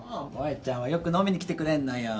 萌ちゃんはよく飲みに来てくれんのよ。